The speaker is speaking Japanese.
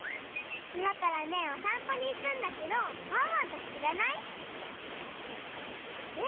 いまからねおさんぽにいくんだけどワンワンたちしらない？